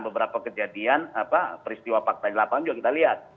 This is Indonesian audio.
beberapa kejadian peristiwa pak taji lapang juga kita lihat